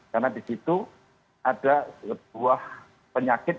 karena di situ ada sebuah penyakit